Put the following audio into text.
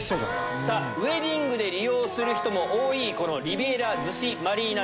ウエディングで利用する人も多いこのリビエラ逗子マリーナです。